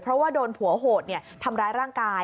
เพราะว่าโดนผัวโหดทำร้ายร่างกาย